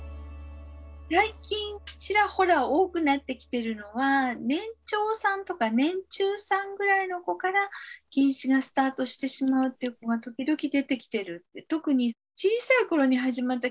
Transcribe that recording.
最近ちらほら多くなってきてるのは年長さんとか年中さんぐらいの子から近視がスタートしてしまうっていう子が時々出てきてる。